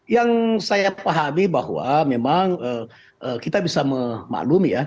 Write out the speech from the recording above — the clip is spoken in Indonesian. yang saya pahami bahwa memang kita bisa memaklumi ya